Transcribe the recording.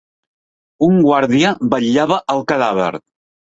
Un guàrdia vetllava el cadàver.